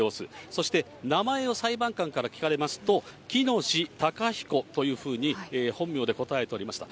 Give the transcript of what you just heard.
そして名前を裁判官から聞かれますと、喜熨斗孝彦というふうに本名で答えておりました。